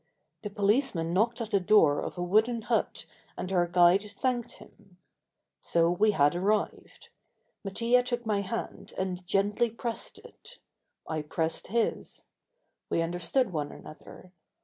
The policeman knocked at the door of a wooden hut and our guide thanked him. So we had arrived. Mattia took my hand and gently pressed it. I pressed his. We understood one another.